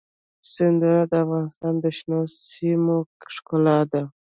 سیندونه د افغانستان د شنو سیمو ښکلا ده.